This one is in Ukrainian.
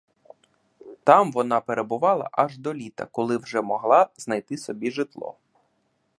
Там вона перебувала аж до літа, коли вже могла знайти собі житло.